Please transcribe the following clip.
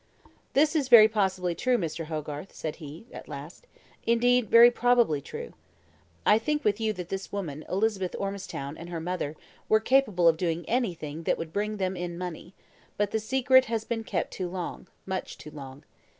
"This is very possibly true, Mr. Hogarth," said he, at last; "indeed very probably true. I think with you that this woman, Elizabeth Ormistown, and her mother, were capable of doing anything that would bring them in money; but the secret has been kept too long much too long.